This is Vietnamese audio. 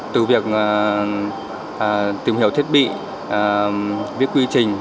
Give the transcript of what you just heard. từ việc tìm hiểu thiết bị viết quy trình